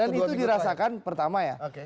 dan itu dirasakan pertama ya